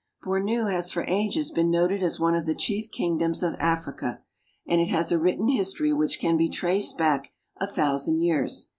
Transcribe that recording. Bornu has for ages been noted as one of the cbicf king doms of Africa, and it has a written history which can be traced back a thousand years.